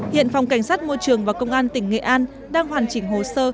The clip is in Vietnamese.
hiện phòng cảnh sát môi trường và công an tỉnh nghệ an đang hoàn chỉnh hồ sơ